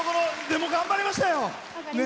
でも、頑張りましたよ！